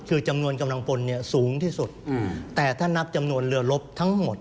คือจำนวนกำลังพลเนี่ยสูงที่สุดแต่ถ้านับจำนวนเรือลบทั้งหมด